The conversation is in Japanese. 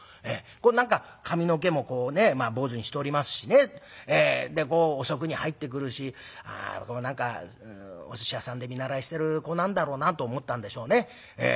何か髪の毛もこうね坊主にしておりますしねで遅くに入ってくるし何かおすし屋さんで見習いしてる子なんだろうなと思ったんでしょうね。